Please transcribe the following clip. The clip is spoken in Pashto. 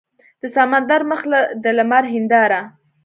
د سمندر مخ د لمر هینداره